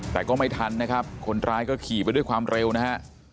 แต่ก็ไม่ทันนะครับคนร้ายก็ขี่ไปด้วยความเร็วนะฮะ